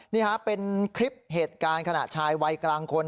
นี่ฮะเป็นคลิปเหตุการณ์ขณะชายวัยกลางคน